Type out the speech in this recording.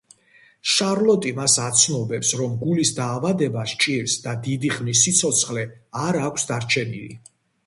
შარლოტი მას აცნობებს, რომ გულის დაავადება სჭირს და დიდი ხნის სიცოცხლე არ აქვს დარჩენილი.